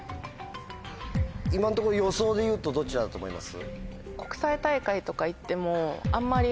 今のところ予想でいうとどちらだと思います？